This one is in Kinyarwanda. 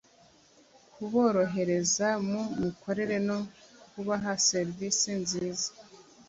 kuborohereza mu mikorera no kubaha serivisi nziza